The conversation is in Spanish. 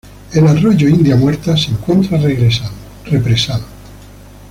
El arroyo India Muerta se encuentra represado.